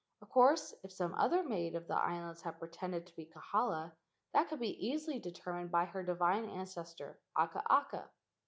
Of course, if some other maid of the islands had pretended to be Kahala, that could be easily determined by her divine ancestor Akaaka.